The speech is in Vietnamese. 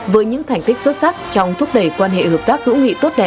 với những thành tích xuất sắc trong thúc đẩy quan hệ hợp tác hữu nghị